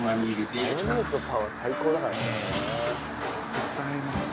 絶対合いますね。